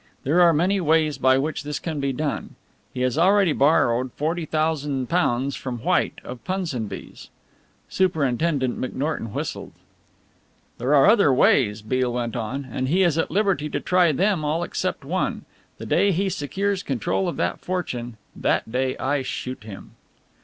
There are many ways by which this can be done. He has already borrowed £40,000 from White, of Punsonby's." Superintendent McNorton whistled. "There are other ways," Beale went on, "and he is at liberty to try them all except one. The day he secures control of that fortune, that day I shoot him."